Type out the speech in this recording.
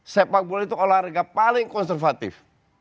sepak bola itu olahraga paling konservatif